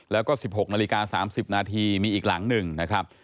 แล้วก็๑๖นาฬิกา๓๐นาทีมีอีกหลังหนึ่งนะครับ